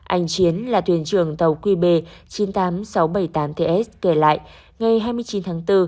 anh chiến là thuyền trưởng tàu qb chín mươi tám nghìn sáu trăm bảy mươi tám ts kể lại ngày hai mươi chín tháng bốn